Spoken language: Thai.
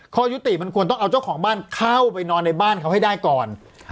ข้อยุติมันควรต้องเอาเจ้าของบ้านเข้าไปนอนในบ้านเขาให้ได้ก่อน